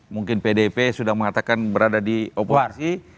mungkin pdip sudah mengatakan berada di oposisi